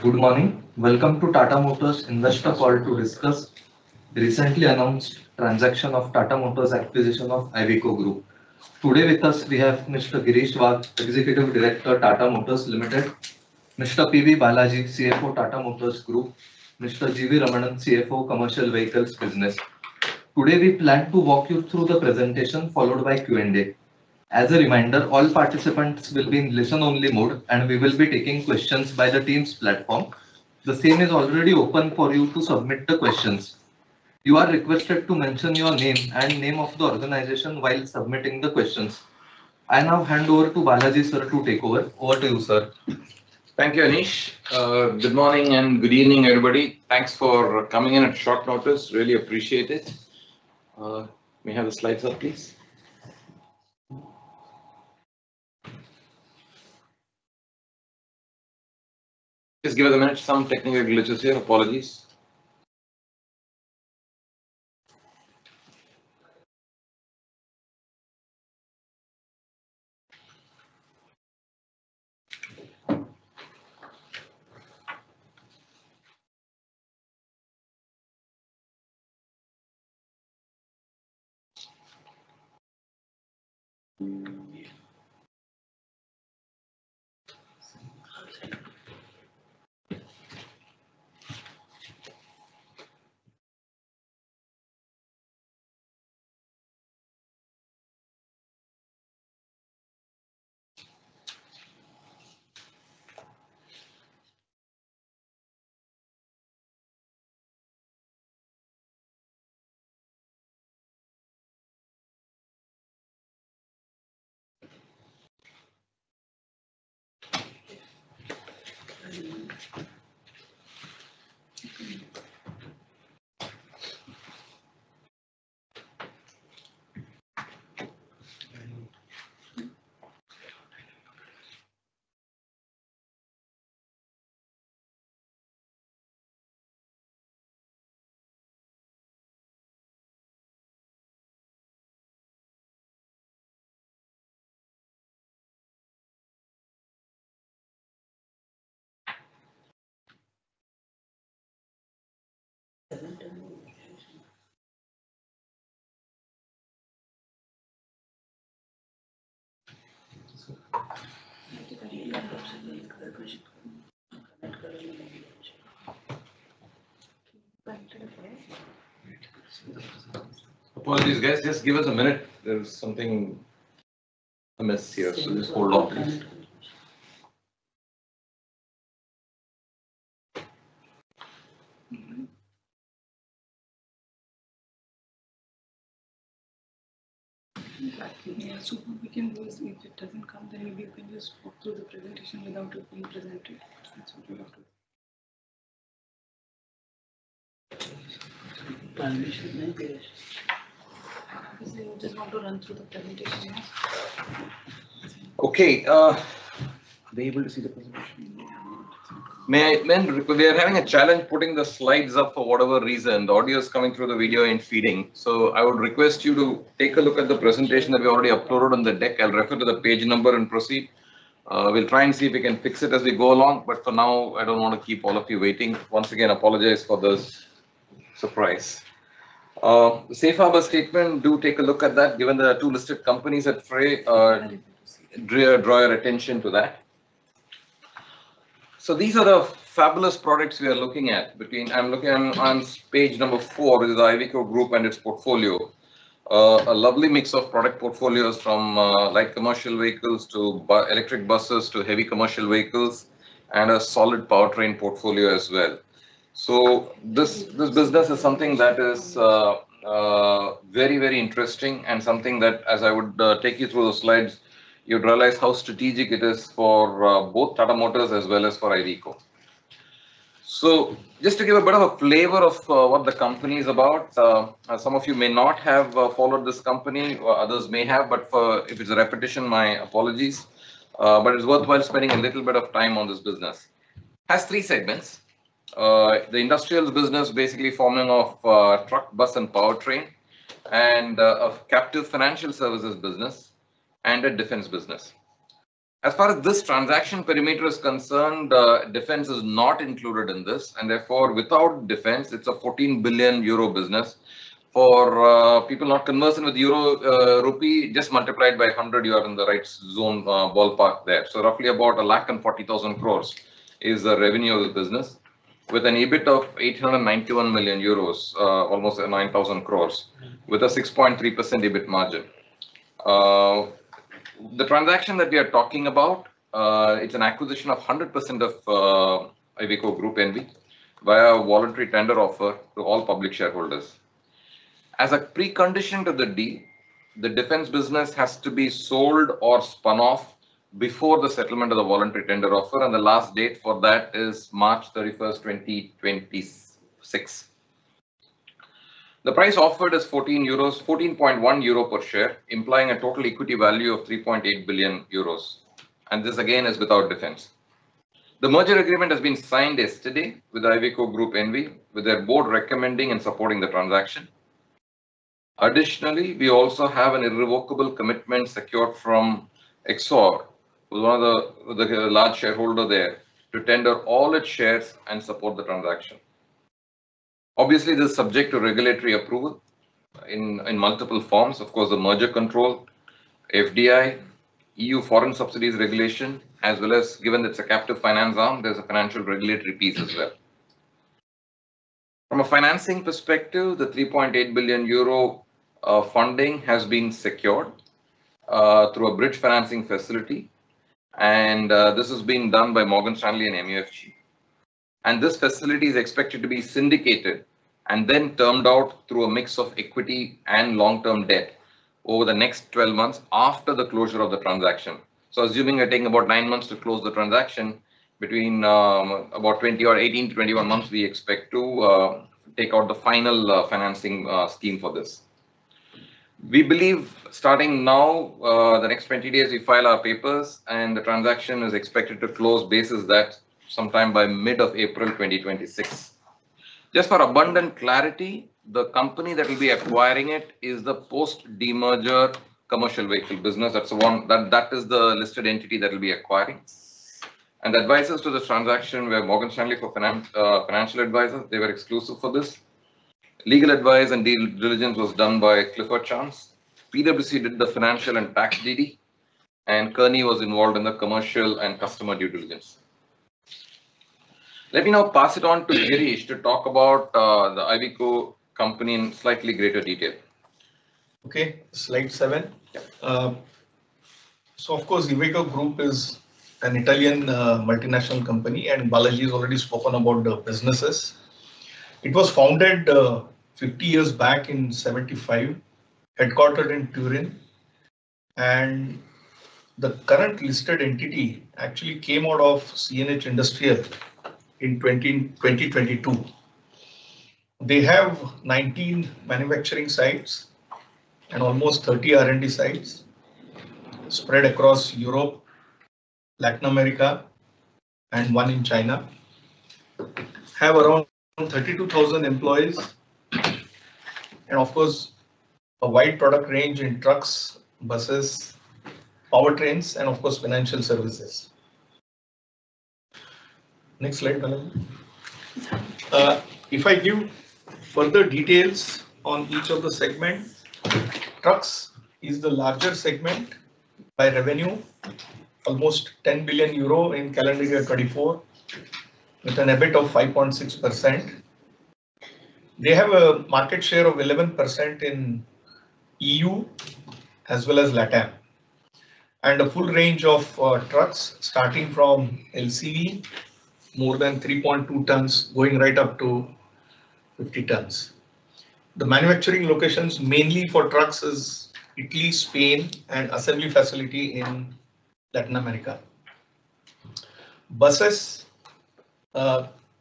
Good morning. Welcome to Tata Motors Investor Call to discuss the recently announced transaction of Tata Motors' acquisition of Iveco Group. Today with us, we have Mr. Girish Wagh, Executive Director, Tata Motors Limited; Mr. P.B. Balaji, CFO, Tata Motors Group; Mr. G.V. Ramanan, CFO, Commercial Vehicles Business. Today, we plan to walk you through the presentation, followed by Q&A. As a reminder, all participants will be in listen-only mode, and we will be taking questions by the Teams platform. The same is already open for you to submit the questions. You are requested to mention your name and name of the organization while submitting the questions. I now hand over to Balaji, sir, to take over. Over to you, sir. Thank you, Anish. Good morning and good evening, everybody. Thanks for coming in at short notice. Really appreciate it. May I have the slides up, please? Just give it a minute. Some technical glitches here. Apologies. Apologies, guys. Just give us a minute. There's something amiss here, so just hold on. Mm-hmm. Yeah, so we can do is, if it doesn't come, then maybe you can just walk through the presentation without it being presented. That's what we have to do.... Obviously, you just want to run through the presentation. Okay, uh- Are they able to see the presentation? Men, we are having a challenge putting the slides up for whatever reason. The audio is coming through the video ain't feeding. So I would request you to take a look at the presentation that we already uploaded on the deck. I'll refer to the page number and proceed. We'll try and see if we can fix it as we go along, but for now, I don't want to keep all of you waiting. Once again, apologize for this surprise. Safe harbor statement, do take a look at that, given there are two listed companies at play, draw, draw your attention to that. So these are the fabulous products we are looking at between... I'm looking on page number four, which is the Iveco Group and its portfolio. A lovely mix of product portfolios from, like, commercial vehicles to bi... electric buses, to heavy commercial vehicles, and a solid powertrain portfolio as well. So this business is something that is very, very interesting and something that, as I would take you through the slides, you'd realize how strategic it is for both Tata Motors as well as for Iveco. So just to give a bit of a flavor of what the company is about, some of you may not have followed this company, or others may have, but for... if it's a repetition, my apologies, but it's worthwhile spending a little bit of time on this business. Has three segments: the industrials business, basically forming of truck, bus, and powertrain, and a captive financial services business, and a defense business. As far as this transaction perimeter is concerned, defense is not included in this, and therefore, without defense, it's a 14 billion euro business. For people not conversant with euro, rupee, just multiplied by 100, you are in the right zone, ballpark there. So roughly about 140,000 crore is the revenue of the business, with an EBIT of 891 million euros, almost 9,000 crore, with a 6.3% EBIT margin. The transaction that we are talking about, it's an acquisition of 100% of Iveco Group N.V., via a voluntary tender offer to all public shareholders. As a precondition to the deal, the defense business has to be sold or spun off before the settlement of the voluntary tender offer, and the last date for that is March 31, 2026. The price offered is 14 euros... 14.1 euro per share, implying a total equity value of 3.8 billion euros, and this, again, is without defense. The merger agreement has been signed yesterday with the Iveco Group N.V., with their board recommending and supporting the transaction. Additionally, we also have an irrevocable commitment secured from Exor, one of the large shareholder there, to tender all its shares and support the transaction. Obviously, this is subject to regulatory approval in multiple forms: of course, the merger control, FDI, EU foreign subsidies regulation, as well as, given it's a captive finance arm, there's a financial regulatory piece as well. From a financing perspective, the 3.8 billion euro of funding has been secured through a bridge financing facility, and this is being done by Morgan Stanley and MUFG. This facility is expected to be syndicated and then termed out through a mix of equity and long-term debt over the next 12 months after the closure of the transaction. So assuming you're talking about nine months to close the transaction, between about 20 or 18 to 21 months, we expect to take out the final financing scheme for this. We believe starting now, the next 20 days, we file our papers, and the transaction is expected to close basis that sometime by mid of April 2026. Just for abundant clarity, the company that will be acquiring it is the post-demerger commercial vehicle business. That's the one. That is the listed entity that will be acquiring. Advisors to the transaction were Morgan Stanley for financial advisors. They were exclusive for this. Legal advice and due diligence was done by Clifford Chance. PwC did the financial and tax DD, and Kearney was involved in the commercial and customer due diligence. Let me now pass it on to Girish to talk about the Iveco company in slightly greater detail. Okay, slide seven. So of course, Iveco Group is an Italian, multinational company, and Balaji has already spoken about the businesses. It was founded, 50 years back in 1975, headquartered in Turin, and the current listed entity actually came out of CNH Industrial in 2022. They have 19 manufacturing sites and almost 30 R&D sites spread across Europe, Latin America, and one in China, have around 32,000 employees, and of course, a wide product range in trucks, buses, powertrains, and of course, financial services. Next slide, Balaji. If I give further details on each of the segments, trucks is the larger segment by revenue, almost 10 billion euro in calendar year 2024, with an EBIT of 5.6%. They have a market share of 11% in EU as well as LATAM, and a full range of trucks, starting from LCV, more than 3.2 tons, going right up to 50 tons. The manufacturing locations mainly for trucks is Italy, Spain, and assembly facility in Latin America. Buses,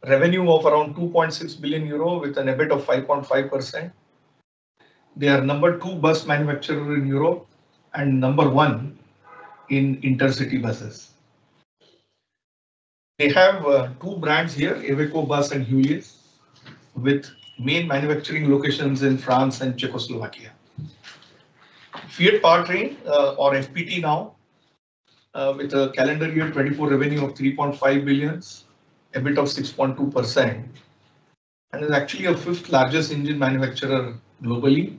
revenue of around 2.6 billion euro with an EBIT of 5.5%. They are number two bus manufacturer in Europe and number one in intercity buses. They have two brands here, Iveco Bus and Heuliez, with main manufacturing locations in France and Czech Republic. Fiat Powertrain or FPT now with a calendar year 2024 revenue of 3.5 billion, EBIT of 6.2%, and is actually a fifth largest engine manufacturer globally,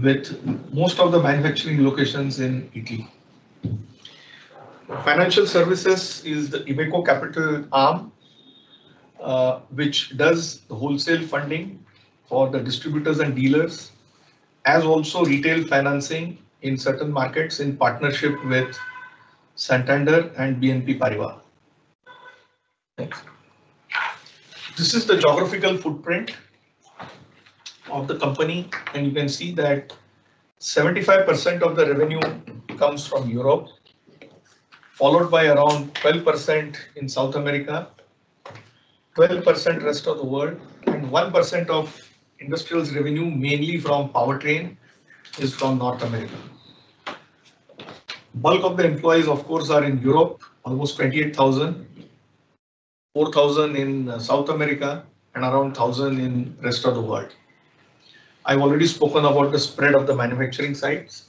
with most of the manufacturing locations in Italy. Financial services is the Iveco Capital arm, which does wholesale funding for the distributors and dealers, as also retail financing in certain markets in partnership with Santander and BNP Paribas. Next. This is the geographical footprint of the company, and you can see that 75% of the revenue comes from Europe, followed by around 12% in South America, 12% rest of the world, and 1% of industrial's revenue, mainly from powertrain, is from North America. Bulk of the employees, of course, are in Europe, almost 28,000, 4,000 in South America, and around 1,000 in rest of the world. I've already spoken about the spread of the manufacturing sites.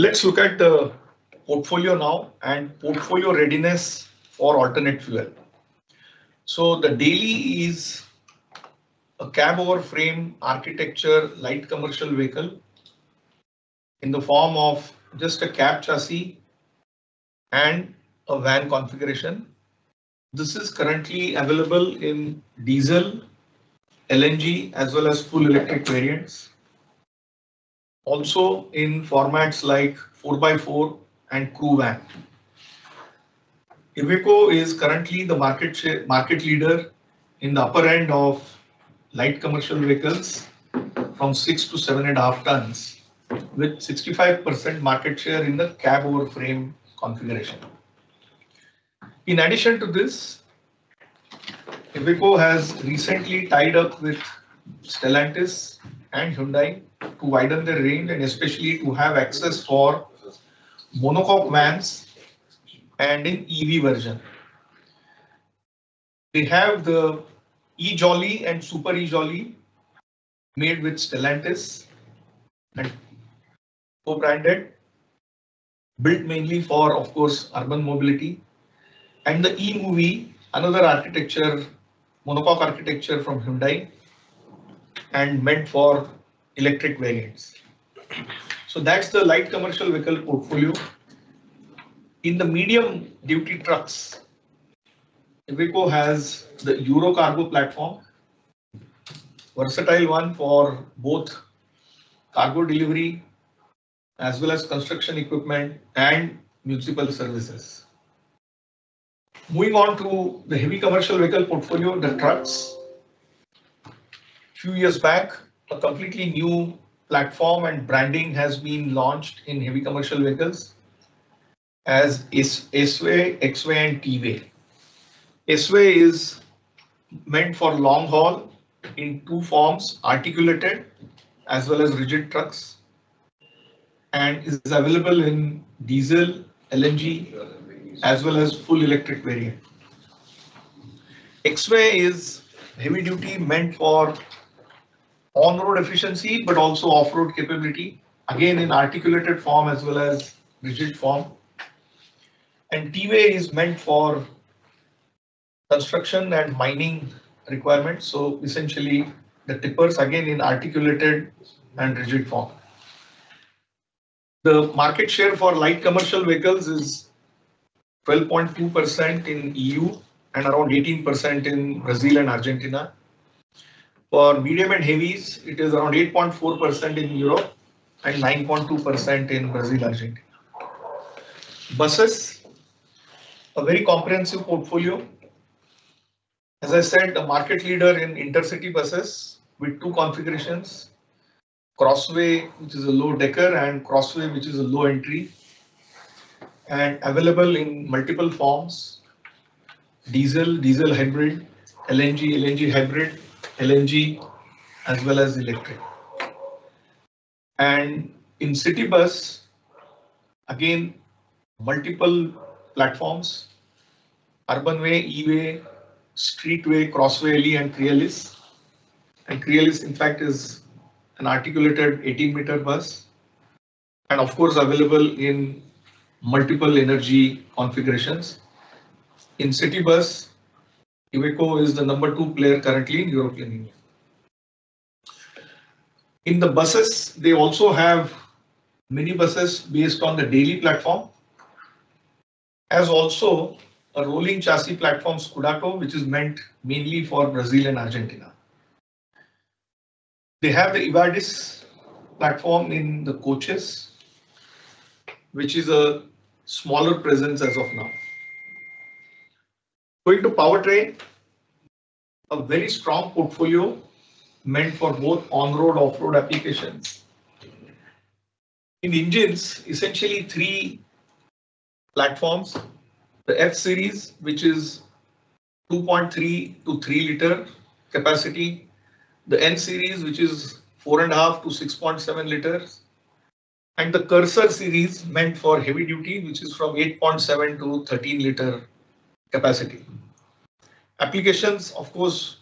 Let's look at the portfolio now and portfolio readiness for alternate fuel. So the Daily is a cab over frame architecture, light commercial vehicle in the form of just a cab chassis and a van configuration. This is currently available in diesel, LNG, as well as full electric variants. Also, in formats like 4x4 and Crew Van. Iveco is currently the market leader in the upper end of light commercial vehicles from 6-7.5 tons, with 65% market share in the cab over frame configuration. In addition to this, Iveco has recently tied up with Stellantis and Hyundai to widen the range and especially to have access for monocoque vans and in EV version. They have the eJolly and Super eJolly, made with Stellantis, like, co-branded, built mainly for, of course, urban mobility, and the eMoovy, another architecture, monocoque architecture from Hyundai, and meant for electric variants. So that's the light commercial vehicle portfolio. In the medium-duty trucks, Iveco has the EuroCargo platform, versatile one for both cargo delivery as well as construction equipment and municipal services. Moving on to the heavy commercial vehicle portfolio, the trucks. A few years back, a completely new platform and branding has been launched in heavy commercial vehicles, as is S-Way, X-Way, and T-Way. S-Way is meant for long haul in two forms, articulated as well as rigid trucks, and is available in diesel, LNG, as well as full electric variant. X-Way is heavy duty, meant for on-road efficiency, but also off-road capability, again, in articulated form as well as rigid form. And T-Way is meant for construction and mining requirements, so essentially, the tippers, again, in articulated and rigid form. The market share for light commercial vehicles is 12.2% in EU and around 18% in Brazil and Argentina. For medium and heavies, it is around 8.4% in Europe and 9.2% in Brazil, Argentina. Buses, a very comprehensive portfolio. As I said, the market leader in intercity buses with two configurations, Crossway, which is a low decker, and Crossway, which is a low entry, and available in multiple forms: diesel, diesel hybrid, LNG, LNG hybrid, LNG, as well as electric. And in city bus, again, multiple platforms, Urbanway, E-Way, Streetway, Crossway LE, and Crealis. And Crealis, in fact, is an articulated 18-meter bus, and of course, available in multiple energy configurations. In city bus, Iveco is the number two player currently in Europe and India. In the buses, they also have mini buses based on the Daily platform, as also a rolling chassis platform, Scudato, which is meant mainly for Brazil and Argentina. They have the Evadys platform in the coaches, which is a smaller presence as of now. Going to powertrain, a very strong portfolio meant for both on-road, off-road applications. In engines, essentially three platforms, the F-Series, which is 2.3 to 3 liter capacity, the N-Series, which is 4.5 to 6.7 liters, and the Cursor Series, meant for heavy duty, which is from 8.7 to 13 liter capacity. Applications, of course,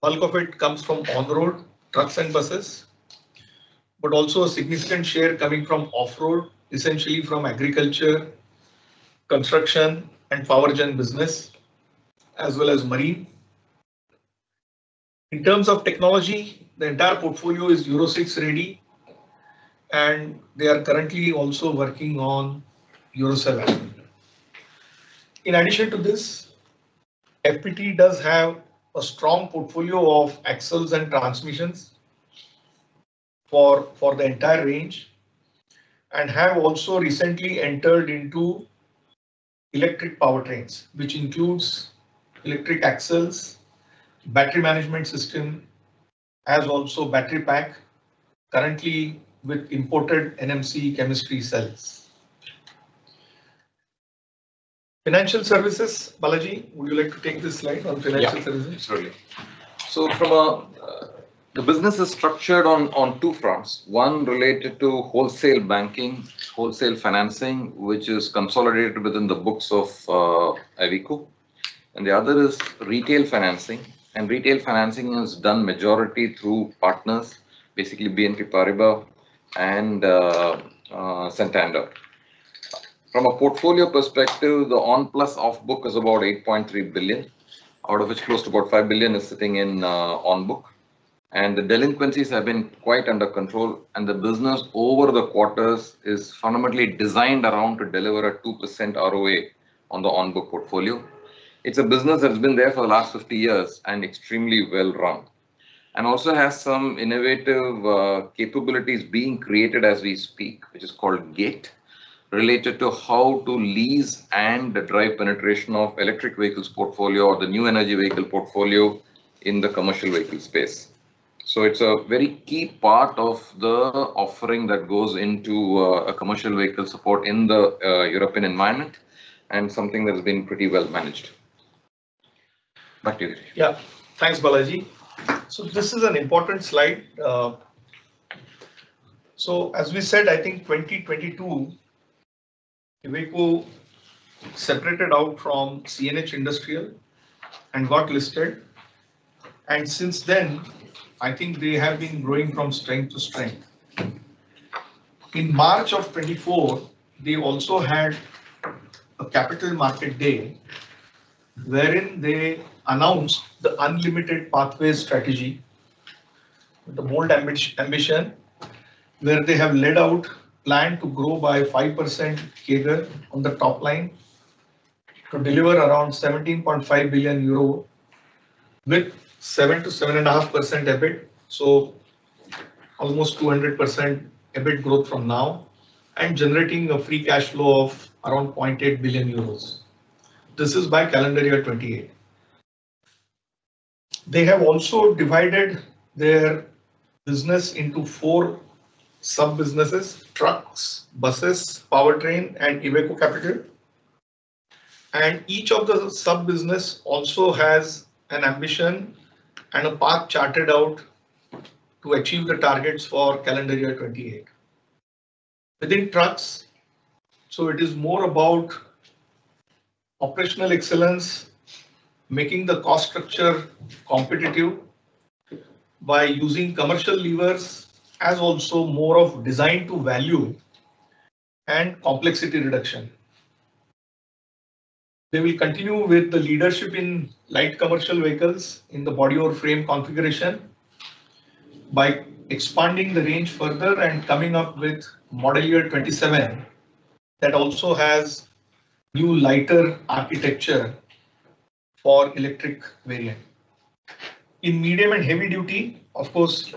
bulk of it comes from on-road trucks and buses, but also a significant share coming from off-road, essentially from agriculture, construction, and power gen business, as well as marine. In terms of technology, the entire portfolio is Euro 6 ready, and they are currently also working on Euro 7. In addition to this, FPT does have a strong portfolio of axles and transmissions for the entire range and have also recently entered into electric powertrains, which includes electric axles, battery management system, as also battery pack, currently with imported NMC chemistry cells. Financial services, Balaji, would you like to take this slide on financial services? Yeah, surely. So from a, the business is structured on two fronts, one related to wholesale banking, wholesale financing, which is consolidated within the books of Iveco, and the other is retail financing, and retail financing is done majority through partners, basically BNP Paribas and Santander. From a portfolio perspective, the on plus off book is about 8.3 billion, out of which close to about 5 billion is sitting in on book. And the delinquencies have been quite under control, and the business over the quarters is fundamentally designed around to deliver a 2% ROA on the on-book portfolio. It's a business that's been there for the last 50 years and extremely well-run, and also has some innovative capabilities being created as we speak, which is called GATE, related to how to lease and drive penetration of electric vehicles portfolio or the new energy vehicle portfolio in the commercial vehicle space. So it's a very key part of the offering that goes into a commercial vehicle support in the European environment, and something that has been pretty well managed. Back to you. Yeah. Thanks, Balaji. This is an important slide. So as we said, I think 2022, Iveco separated out from CNH Industrial and got listed, and since then, I think they have been growing from strength to strength. In March of 2024, they also had a capital market day, wherein they announced the Unlimited Pathways strategy, the bold ambition, where they have laid out plan to grow by 5% CAGR on the top line, to deliver around EUR 17.5 billion, with 7%-7.5% EBIT. So almost 200% EBIT growth from now, and generating a free cash flow of around 0.8 billion euros. This is by calendar year 2028. They have also divided their business into four sub-businesses: trucks, buses, powertrain, and Iveco Capital. Each of the sub-business also has an ambition and a path charted out to achieve the targets for calendar year 2028. Within trucks, so it is more about operational excellence, making the cost structure competitive by using commercial levers, as also more of design to value and complexity reduction. They will continue with the leadership in light commercial vehicles in the body or frame configuration by expanding the range further and coming up with model year 2027, that also has new lighter architecture for electric variant. In medium and heavy duty, of course,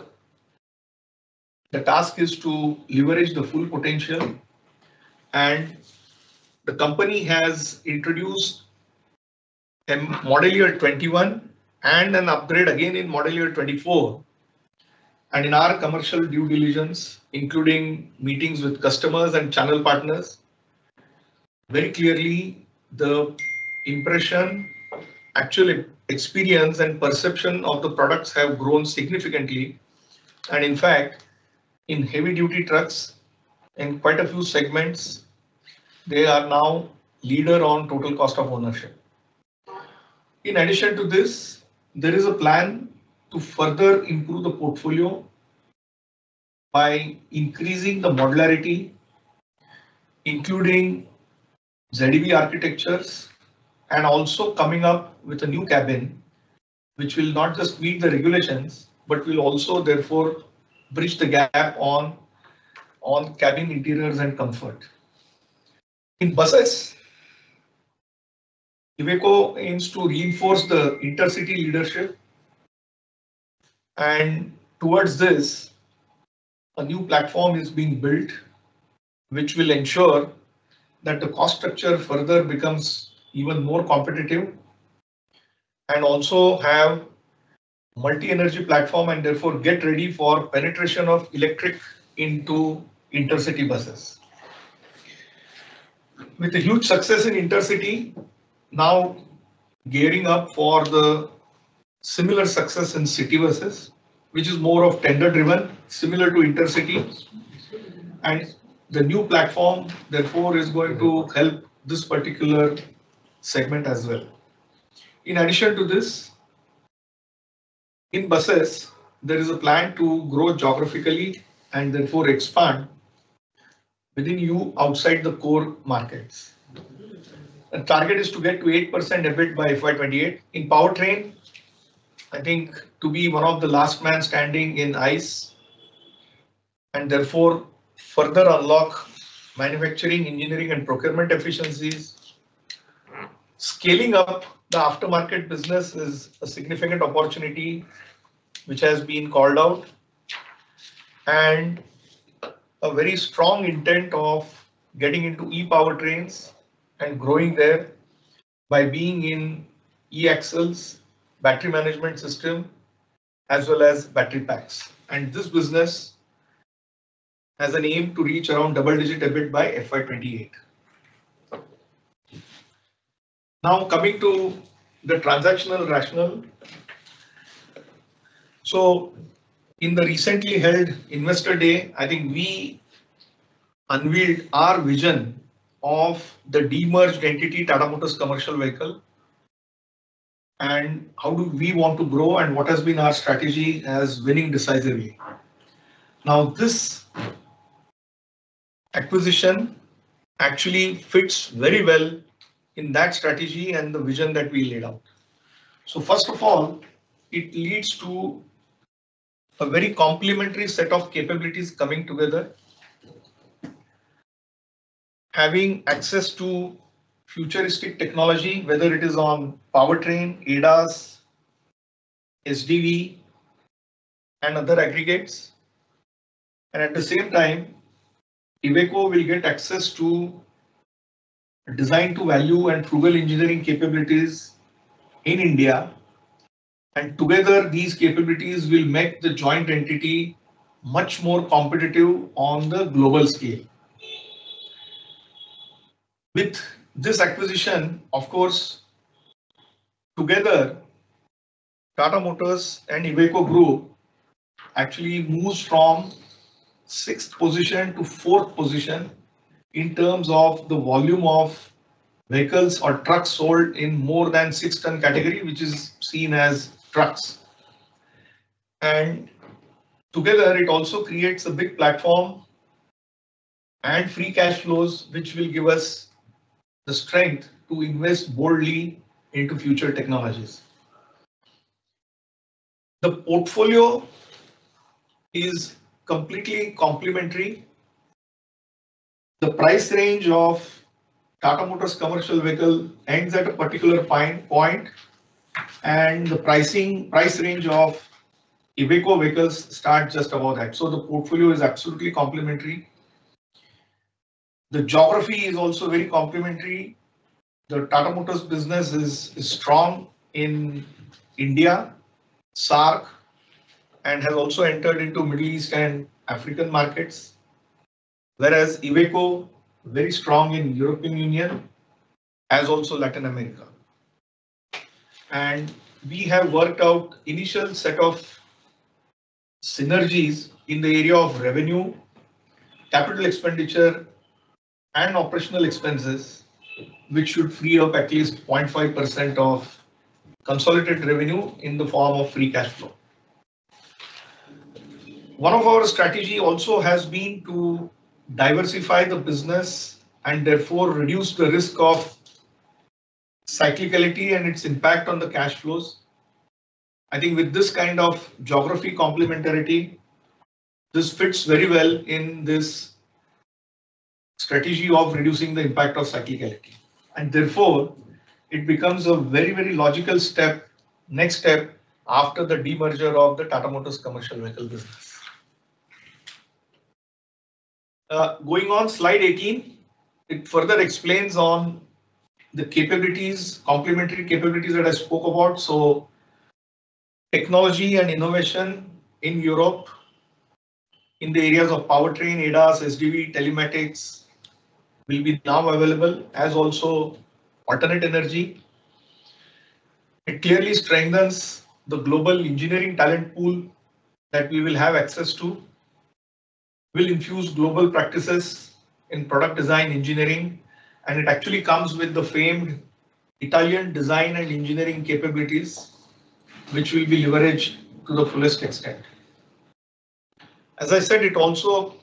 the task is to leverage the full potential, and the company has introduced a model year 2021 and an upgrade again in model year 2024. In our commercial due diligence, including meetings with customers and channel partners, very clearly, the impression, actual experience, and perception of the products have grown significantly. In fact, in heavy duty trucks, in quite a few segments, they are now leader on total cost of ownership. In addition to this, there is a plan to further improve the portfolio by increasing the modularity, including ZEV architectures, and also coming up with a new cabin, which will not just meet the regulations, but will also therefore bridge the gap on cabin interiors and comfort. In buses, Iveco aims to reinforce the intercity leadership, and towards this, a new platform is being built, which will ensure that the cost structure further becomes even more competitive and also have multi-energy platform, and therefore get ready for penetration of electric into intercity buses. With a huge success in intercity, now gearing up for the similar success in city buses, which is more of tender driven, similar to intercity, and the new platform, therefore, is going to help this particular segment as well. In addition to this, in buses, there is a plan to grow geographically and therefore expand within EU, outside the core markets. The target is to get to 8% EBIT by FY 2028. In powertrain, I think to be one of the last man standing in ICE, and therefore further unlock manufacturing, engineering, and procurement efficiencies. Scaling up the aftermarket business is a significant opportunity, which has been called out, and a very strong intent of getting into e-powertrains and growing there by being in e-axles, battery management system, as well as battery packs. This business has an aim to reach around double digit EBIT by FY 2028. Now, coming to the transactional rationale. So in the recently held Investor Day, I think we unveiled our vision of the de-merged entity, Tata Motors Commercial Vehicle, and how do we want to grow and what has been our strategy as winning decisively. Now, this acquisition actually fits very well in that strategy and the vision that we laid out. So first of all, it leads to a very complementary set of capabilities coming together. Having access to futuristic technology, whether it is on powertrain, ADAS, SDV, and other aggregates. And at the same time, Iveco will get access to design-to-value and frugal engineering capabilities in India. And together, these capabilities will make the joint entity much more competitive on the global scale.... With this acquisition, of course, together, Tata Motors and Iveco Group actually moves from sixth position to fourth position in terms of the volume of vehicles or trucks sold in more than 6 ton category, which is seen as trucks. And together, it also creates a big platform and free cash flows, which will give us the strength to invest boldly into future technologies. The portfolio is completely complementary. The price range of Tata Motors commercial vehicle ends at a particular point, and the price range of Iveco vehicles start just above that. So the portfolio is absolutely complementary. The geography is also very complementary. The Tata Motors business is strong in India, SAARC, and has also entered into Middle East and African markets, whereas Iveco is very strong in European Union, as also Latin America. We have worked out initial set of synergies in the area of revenue, CapEx and OpEx, which should free up at least 0.5% of consolidated revenue in the form of free cash flow. One of our strategy also has been to diversify the business and therefore reduce the risk of cyclicality and its impact on the cash flows. I think with this kind of geography complementarity, this fits very well in this strategy of reducing the impact of cyclicality, and therefore, it becomes a very, very logical step, next step after the demerger of the Tata Motors commercial vehicle business. Going on slide 18, it further explains on the capabilities, complementary capabilities that I spoke about. So technology and innovation in Europe, in the areas of powertrain, ADAS, SDV, telematics, will be now available as also alternate energy. It clearly strengthens the global engineering talent pool that we will have access to, will infuse global practices in product design engineering, and it actually comes with the famed Italian design and engineering capabilities, which will be leveraged to the fullest extent. As I said, it also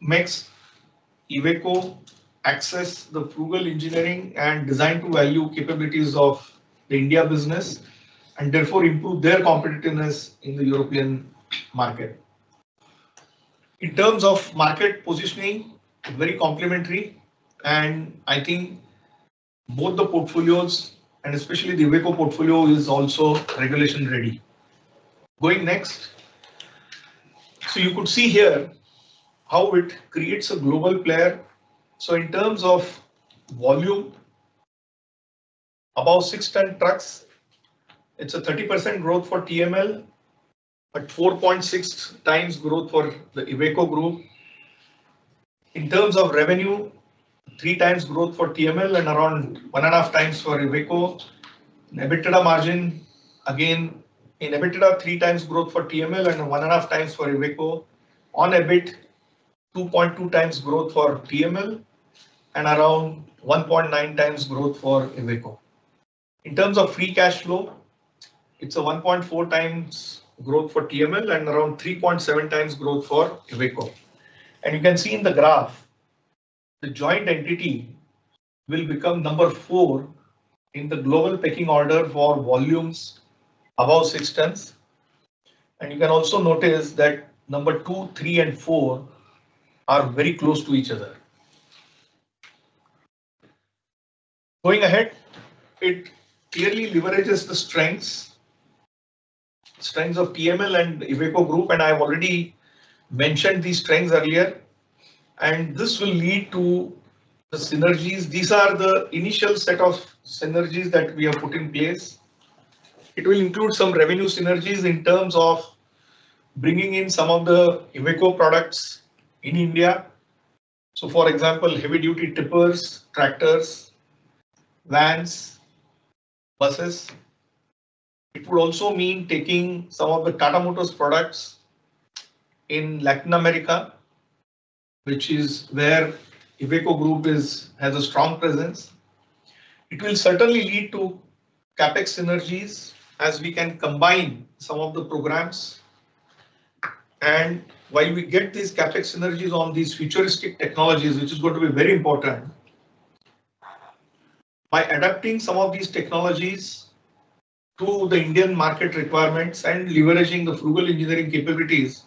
makes Iveco access the frugal engineering and design-to-value capabilities of the India business, and therefore improve their competitiveness in the European market. In terms of market positioning, very complementary, and I think both the portfolios, and especially the Iveco portfolio, is also regulation ready. Going next. So you could see here how it creates a global player. So in terms of volume, about 6 ton trucks, it's a 30% growth for TML, but 4.6x growth for the Iveco Group. In terms of revenue, 3x growth for TML and around 1.5x for Iveco. EBITDA margin, again, in EBITDA, 3x growth for TML and 1.5x for Iveco. On EBIT, 2.2x growth for TML and around 1.9x growth for Iveco. In terms of free cash flow, it's a 1.4x growth for TML and around 3.7x growth for Iveco. And you can see in the graph, the joint entity will become number four in the global pecking order for volumes above 6 tons. And you can also notice that number two, three, and 4 are very close to each other. Going ahead, it clearly leverages the strengths, strengths of TML and Iveco Group, and I've already mentioned these strengths earlier, and this will lead to the synergies. These are the initial set of synergies that we have put in place. It will include some revenue synergies in terms of bringing in some of the Iveco products in India. So for example, heavy-duty tippers, tractors, vans, buses. It will also mean taking some of the Tata Motors products in Latin America, which is where Iveco Group is... has a strong presence. It will certainly lead to CapEx synergies, as we can combine some of the programs. And while we get these CapEx synergies on these futuristic technologies, which is going to be very important, by adapting some of these technologies to the Indian market requirements and leveraging the frugal engineering capabilities,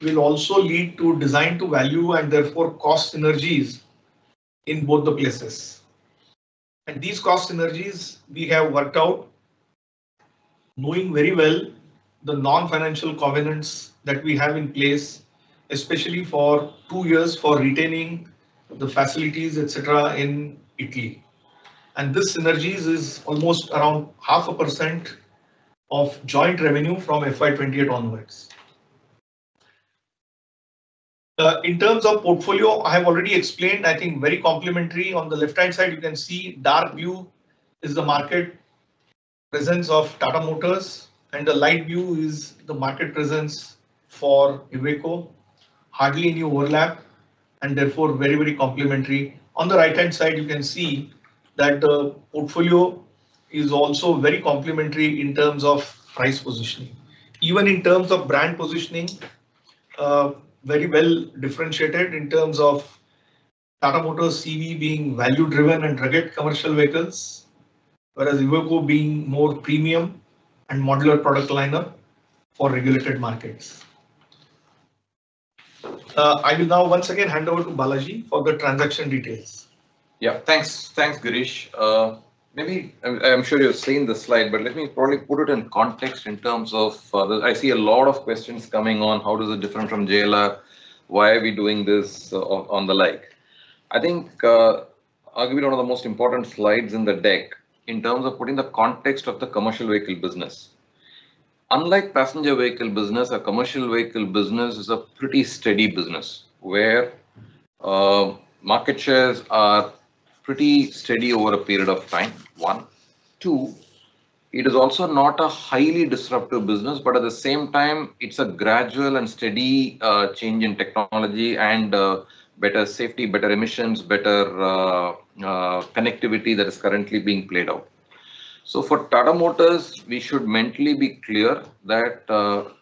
will also lead to design to value and therefore, cost synergies in both the places. And these cost synergies we have worked out, knowing very well the non-financial covenants that we have in place, especially for two years, for retaining the facilities, et cetera, in Italy. This synergies is almost around 0.5% of joint revenue from FY 2028 onwards. In terms of portfolio, I have already explained, I think very complementary. On the left-hand side, you can see dark blue is the market presence of Tata Motors, and the light blue is the market presence for Iveco. Hardly any overlap, and therefore very, very complementary. On the right-hand side, you can see that the portfolio is also very complementary in terms of price positioning. Even in terms of brand positioning, very well differentiated in terms of Tata Motors CV being value-driven and rugged commercial vehicles, whereas Iveco being more premium and modular product lineup for regulated markets. I will now once again hand over to Balaji for the transaction details. Yeah, thanks. Thanks, Girish. Maybe, I'm sure you've seen this slide, but let me probably put it in context in terms of. I see a lot of questions coming on how is it different from JLR? Why are we doing this, on the like? I think, arguably one of the most important slides in the deck in terms of putting the context of the commercial vehicle business. Unlike passenger vehicle business, a commercial vehicle business is a pretty steady business, where market shares are pretty steady over a period of time, one. Two, it is also not a highly disruptive business, but at the same time, it's a gradual and steady change in technology and better safety, better emissions, better connectivity that is currently being played out. So for Tata Motors, we should mentally be clear that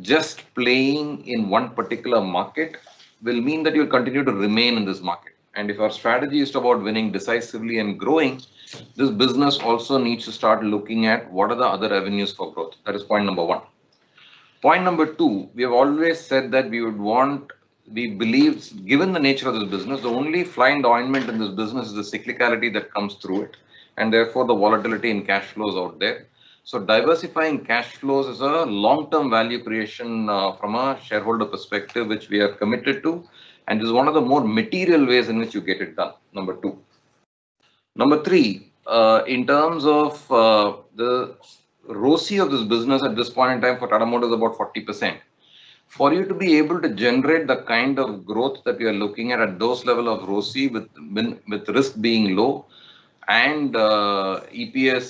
just playing in one particular market will mean that you'll continue to remain in this market. And if our strategy is about winning decisively and growing, this business also needs to start looking at what are the other avenues for growth. That is point number one. Point number two, we have always said that we would want... we believe, given the nature of this business, the only flying ointment in this business is the cyclicality that comes through it, and therefore the volatility in cash flows out there. So diversifying cash flows is a long-term value creation from a shareholder perspective, which we are committed to, and is one of the more material ways in which you get it done, number two. Number three, in terms of the ROCE of this business at this point in time for Tata Motors is about 40%. For you to be able to generate the kind of growth that we are looking at, at those level of ROCE, with risk being low and EPS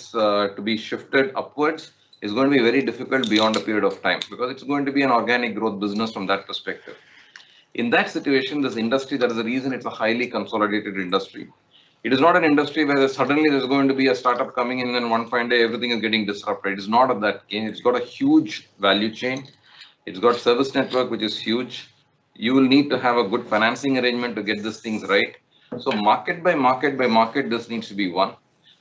to be shifted upwards, is gonna be very difficult beyond a period of time, because it's going to be an organic growth business from that perspective. In that situation, this industry, there is a reason it's a highly consolidated industry. It is not an industry where suddenly there's going to be a startup coming in, and one fine day, everything is getting disrupted. It's not of that game. It's got a huge value chain. It's got service network, which is huge. You will need to have a good financing arrangement to get these things right. Market by market, by market, this needs to be one.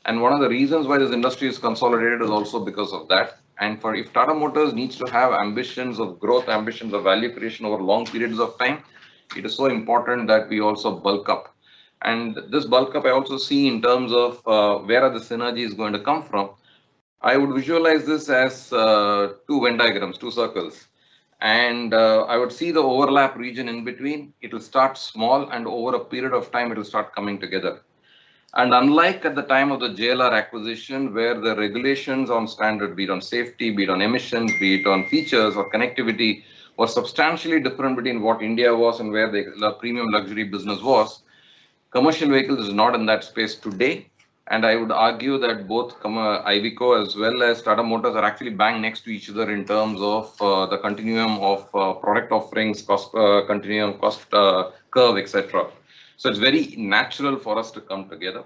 One of the reasons why this industry is consolidated is also because of that. And for if Tata Motors needs to have ambitions of growth, ambitions of value creation over long periods of time, it is so important that we also bulk up. And this bulk up, I also see in terms of where the synergies are going to come from. I would visualize this as two Venn diagrams, two circles, and I would see the overlap region in between. It will start small, and over a period of time, it will start coming together. Unlike at the time of the JLR acquisition, where the regulations on standard, be it on safety, be it on emissions, be it on features or connectivity, were substantially different between what India was and where the premium luxury business was, commercial vehicles is not in that space today. And I would argue that both Iveco, as well as Tata Motors, are actually bang next to each other in terms of the continuum of product offerings, cost continuum, cost curve, et cetera. So it's very natural for us to come together.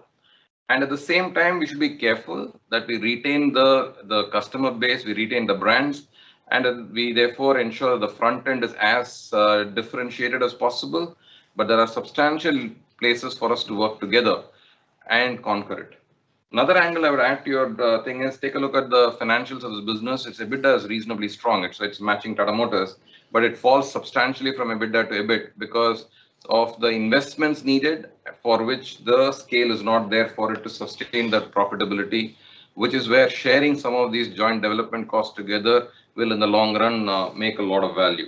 And at the same time, we should be careful that we retain the customer base, we retain the brands, and we therefore ensure the front end is as differentiated as possible. But there are substantial places for us to work together and conquer it. Another angle I would add to your thing is, take a look at the financials of this business. Its EBITDA is reasonably strong. It's matching Tata Motors, but it falls substantially from EBITDA to EBIT because of the investments needed, for which the scale is not there for it to sustain that profitability, which is where sharing some of these joint development costs together will, in the long run, make a lot of value.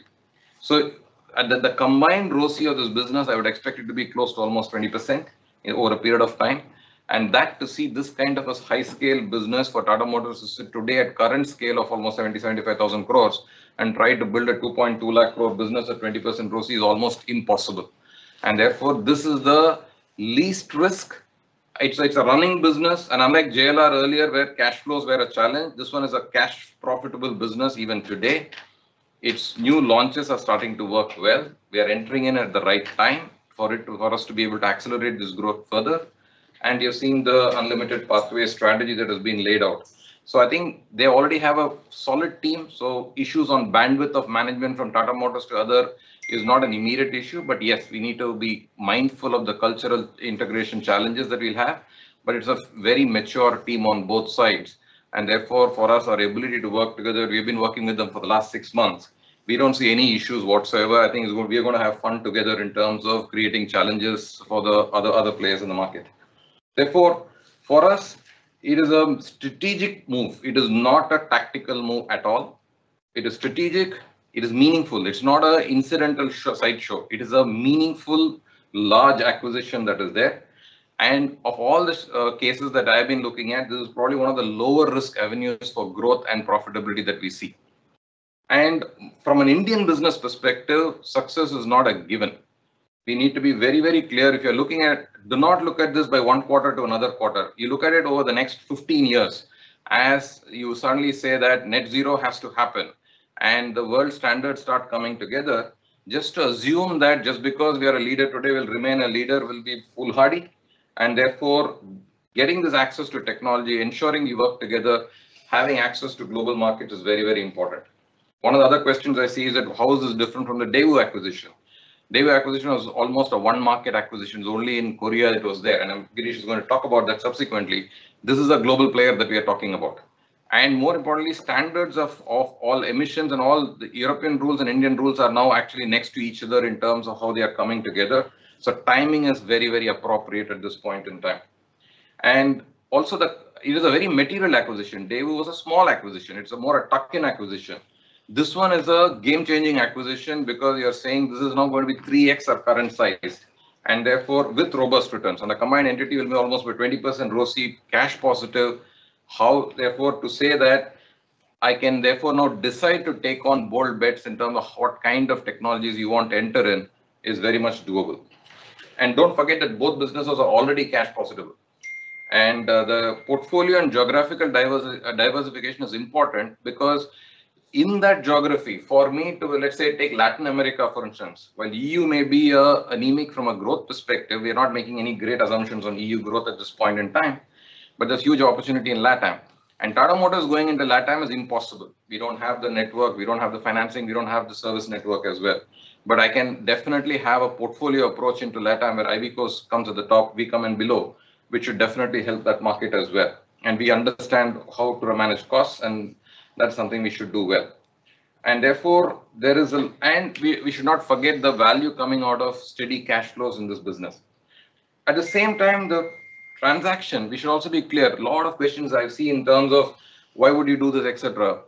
So at the combined ROCE of this business, I would expect it to be close to almost 20% over a period of time. And that to see this kind of a high-scale business for Tata Motors is today at current scale of almost 70,000 crore-75,000 crore and try to build a 220,000 crore business at 20% ROCE is almost impossible. Therefore, this is the least risk. It's, it's a running business, and unlike JLR earlier, where cash flows were a challenge, this one is a cash profitable business even today. Its new launches are starting to work well. We are entering in at the right time for it, for us to be able to accelerate this growth further. And you're seeing the unlimited pathway strategy that has been laid out. So I think they already have a solid team, so issues on bandwidth of management from Tata Motors to other is not an immediate issue. But yes, we need to be mindful of the cultural integration challenges that we'll have, but it's a very mature team on both sides. And therefore, for us, our ability to work together, we've been working with them for the last six months. We don't see any issues whatsoever. I think it's... We are gonna have fun together in terms of creating challenges for the other, other players in the market. Therefore, for us, it is a strategic move. It is not a tactical move at all. It is strategic, it is meaningful. It's not an incidental sideshow. It is a meaningful, large acquisition that is there. And of all the cases that I have been looking at, this is probably one of the lower risk avenues for growth and profitability that we see. And from an Indian business perspective, success is not a given. We need to be very, very clear. If you're looking at—do not look at this by one quarter to another quarter. You look at it over the next 15 years, as you certainly say that Net Zero has to happen and the world standards start coming together. Just to assume that just because we are a leader today, we'll remain a leader, will be foolhardy. And therefore, getting this access to technology, ensuring we work together, having access to global market is very, very important. One of the other questions I see is that, how is this different from the Daewoo acquisition? Daewoo acquisition was almost a one market acquisition, only in Korea it was there, and Girish is going to talk about that subsequently. This is a global player that we are talking about. And more importantly, standards of, of all emissions and all the European rules and Indian rules are now actually next to each other in terms of how they are coming together. So timing is very, very appropriate at this point in time. And also, the, it is a very material acquisition. Daewoo was a small acquisition. It's a more tuck-in acquisition. This one is a game-changing acquisition because we are saying this is now going to be 3x our current size, and therefore, with robust returns. On a combined entity will be almost 20% ROCE cash positive. How therefore, to say that I can therefore now decide to take on bold bets in terms of what kind of technologies you want to enter in, is very much doable. And don't forget that both businesses are already cash positive. And, the portfolio and geographical diversification is important because in that geography, for me to, let's say, take Latin America, for instance, while EU may be, anemic from a growth perspective, we are not making any great assumptions on EU growth at this point in time, but there's huge opportunity in Latin. And Tata Motors going into Latin is impossible. We don't have the network, we don't have the financing, we don't have the service network as well. But I can definitely have a portfolio approach into Latin, where Iveco's come to the top, we come in below, which should definitely help that market as well. And we understand how to manage costs, and that's something we should do well. And therefore, there is and we should not forget the value coming out of steady cash flows in this business. At the same time, the transaction, we should also be clear. A lot of questions I've seen in terms of why would you do this, et cetera.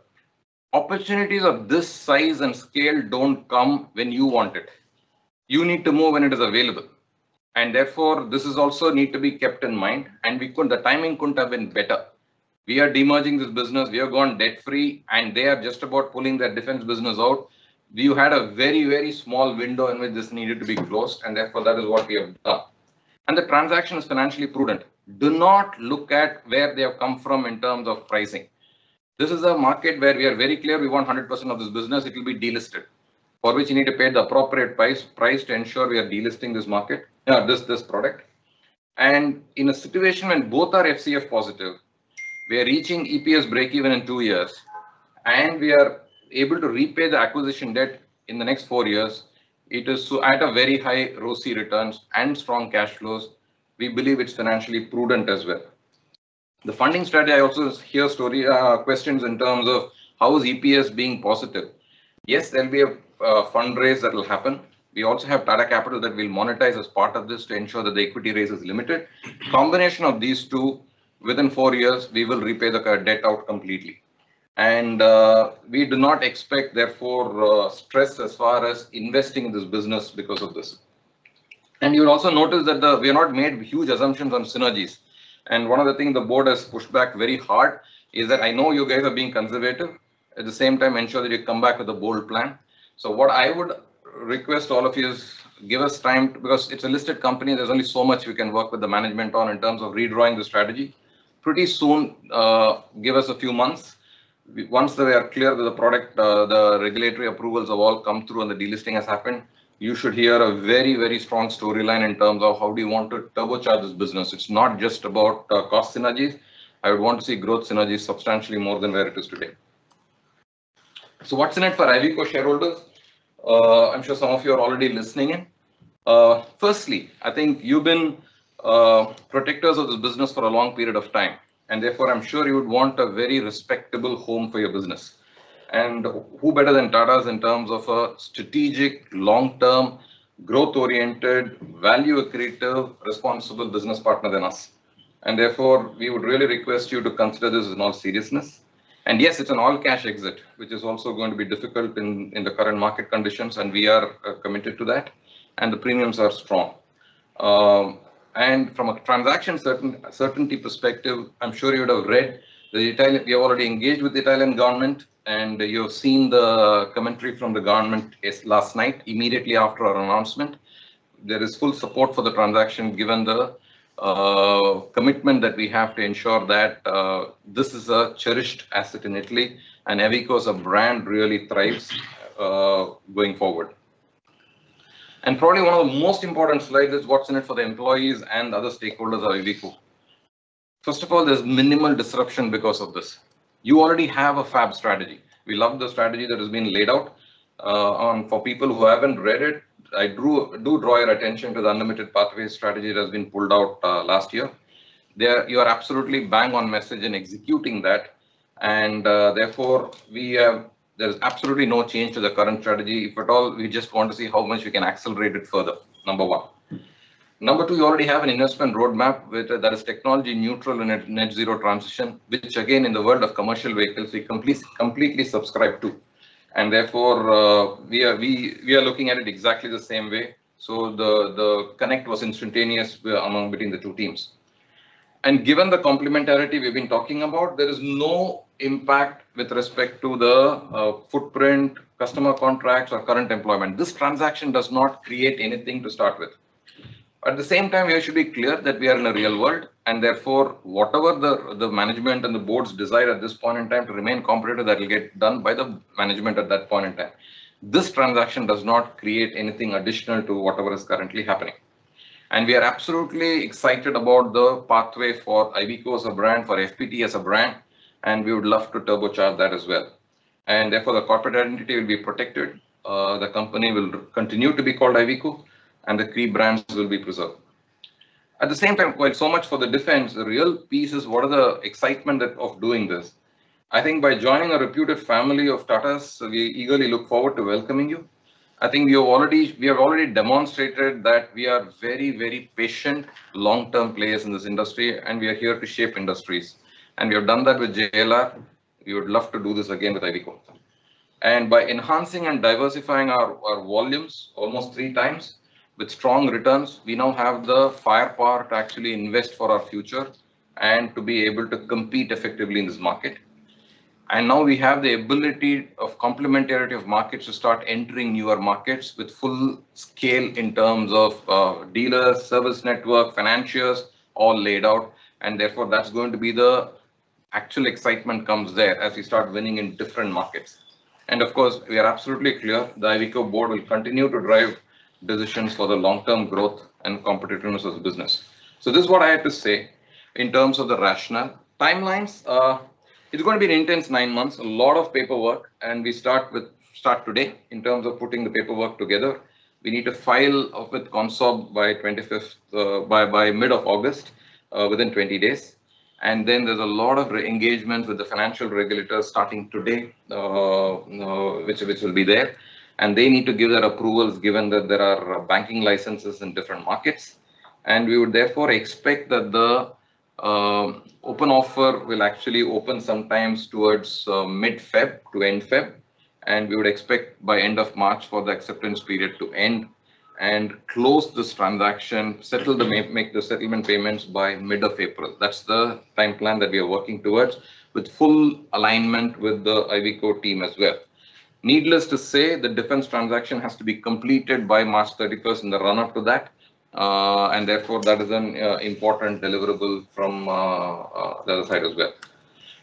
Opportunities of this size and scale don't come when you want it. You need to move when it is available, and therefore, this is also need to be kept in mind. And the timing couldn't have been better. We are demerging this business, we have gone debt-free, and they are just about pulling their defense business out. We had a very, very small window in which this needed to be closed, and therefore, that is what we have done. The transaction is financially prudent. Do not look at where they have come from in terms of pricing. This is a market where we are very clear, we want 100% of this business, it will be delisted. For which you need to pay the appropriate price, price to ensure we are delisting this market, this product. In a situation when both are FCF positive, we are reaching EPS break even in two years, and we are able to repay the acquisition debt in the next four years. It is so at a very high ROCE returns and strong cash flows, we believe it's financially prudent as well. The funding strategy, I also hear story questions in terms of how is EPS being positive? Yes, there will be a fundraise that will happen. We also have Tata Capital that we'll monetize as part of this to ensure that the equity raise is limited. Combination of these two, within four years, we will repay the car debt out completely. And we do not expect, therefore, stress as far as investing in this business because of this. And you'll also notice that we have not made huge assumptions on synergies. And one of the things the board has pushed back very hard is that I know you guys are being conservative; at the same time, ensure that you come back with a bold plan. So what I would request all of you is, give us time, because it's a listed company, there's only so much we can work with the management on in terms of redrawing the strategy. Pretty soon, give us a few months. Once we are clear with the product, the regulatory approvals have all come through and the delisting has happened, you should hear a very, very strong storyline in terms of how do you want to turbocharge this business. It's not just about, cost synergies. I would want to see growth synergies substantially more than where it is today. So what's in it for Iveco shareholders? I'm sure some of you are already listening in. Firstly, I think you've been, protectors of this business for a long period of time, and therefore, I'm sure you would want a very respectable home for your business. Who better than Tata's in terms of a strategic, long-term, growth-oriented, value accretive, responsible business partner than us? Therefore, we would really request you to consider this with more seriousness. Yes, it's an all-cash exit, which is also going to be difficult in the current market conditions, and we are committed to that, and the premiums are strong. From a transaction certainty perspective, I'm sure you would have read the Italian—we already engaged with the Italian government, and you've seen the commentary from the government as last night, immediately after our announcement. There is full support for the transaction, given the commitment that we have to ensure that this is a cherished asset in Italy, and Iveco as a brand really thrives going forward. Probably one of the most important slides is what's in it for the employees and other stakeholders of Iveco? First of all, there's minimal disruption because of this. You already have a fab strategy. We love the strategy that has been laid out. And for people who haven't read it, do draw your attention to the unlimited pathways strategy that has been pulled out last year. There, you are absolutely bang on message in executing that, and therefore we there is absolutely no change to the current strategy. If at all, we just want to see how much we can accelerate it further, number one. Number two, you already have an investment roadmap with that is technology neutral and a Net Zero transition, which again, in the world of commercial vehicles, we completely subscribe to. Therefore, we are looking at it exactly the same way. So the connect was instantaneous among between the two teams, and given the complementarity we've been talking about, there is no impact with respect to the footprint, customer contracts or current employment. This transaction does not create anything to start with. At the same time, we should be clear that we are in a real world, and therefore, whatever the management and the board's desire at this point in time to remain competitive, that will get done by the management at that point in time. This transaction does not create anything additional to whatever is currently happening, and we are absolutely excited about the pathway for Iveco as a brand, for FPT as a brand, and we would love to turbocharge that as well. Therefore, the corporate identity will be protected. The company will continue to be called Iveco, and the three brands will be preserved. At the same time, well, so much for the defense. The real piece is, what are the excitement of doing this? I think by joining a reputed family of Tatas, we eagerly look forward to welcoming you. I think we have already demonstrated that we are very, very patient, long-term players in this industry, and we are here to shape industries, and we have done that with JLR. We would love to do this again with Iveco. By enhancing and diversifying our volumes almost three times with strong returns, we now have the firepower to actually invest for our future and to be able to compete effectively in this market. And now we have the ability of complementarity of markets to start entering newer markets with full scale in terms of, dealers, service network, financials, all laid out. And therefore, that's going to be the actual excitement comes there as we start winning in different markets. And of course, we are absolutely clear the Iveco board will continue to drive decisions for the long-term growth and competitiveness of the business. So this is what I have to say in terms of the rationale. Timelines, it's gonna be an intense nine months, a lot of paperwork, and we start today in terms of putting the paperwork together. We need to file with Consob by 25th, by mid-August, within 20 days. And then there's a lot of re-engagement with the financial regulators starting today, which will be there. They need to give their approvals, given that there are banking licenses in different markets. We would therefore expect that the open offer will actually open sometime towards mid-February to end February, and we would expect by end of March for the acceptance period to end, and close this transaction, settle, make the settlement payments by mid-April. That's the time plan that we are working towards, with full alignment with the Iveco team as well. Needless to say, the defense transaction has to be completed by March thirty-first, in the run-up to that, and therefore that is an important deliverable from the other side as well.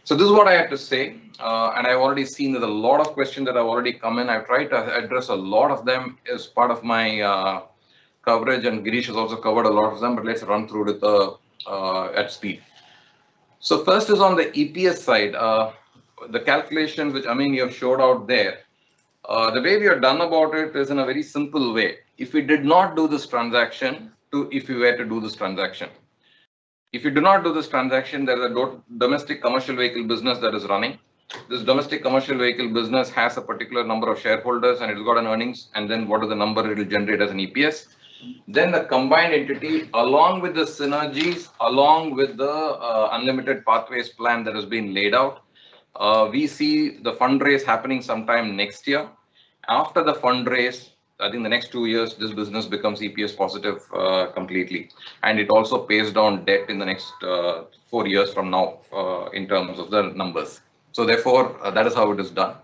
This is what I have to say. And I've already seen that a lot of questions that have already come in. I've tried to address a lot of them as part of my coverage, and Girish has also covered a lot of them, but let's run through with the at speed. So first is on the EPS side. The calculation, which, Amin, you have showed out there. The way we have done about it is in a very simple way. If we did not do this transaction to if we were to do this transaction. If you do not do this transaction, there is a domestic commercial vehicle business that is running. This domestic commercial vehicle business has a particular number of shareholders, and it's got an earnings, and then what are the number it will generate as an EPS? Then the combined entity, along with the synergies, along with the unlimited pathways plan that has been laid out, we see the fundraise happening sometime next year. After the fundraise, I think the next two years, this business becomes EPS positive, completely, and it also pays down debt in the next four years from now, in terms of the numbers. So therefore, that is how it is done.